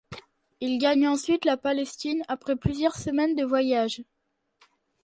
Il gagne ensuite la Palestine, après plusieurs semaines de voyage.